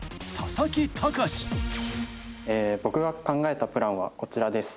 僕が考えたプランはこちらです。